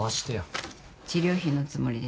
治療費のつもりでしょ。